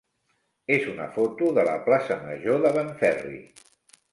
és una foto de la plaça major de Benferri.